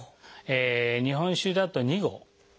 日本酒だと２合。